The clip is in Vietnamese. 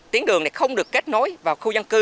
tuyến đường này không được kết nối vào khu dân cư